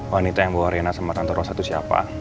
wanita yang bawa rena sama tante rosa itu siapa